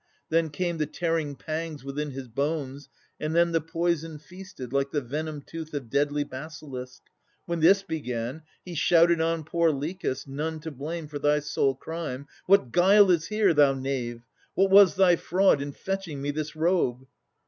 Then came The tearing pangs within his bones, and then The poison feasted like the venomed tooth Of murderous basilisk. When this began, He shouted on poor Lichas, none to blame For thy sole crime, 'What guile is here, thou knave? What was thy fraud in fetching me this robe?'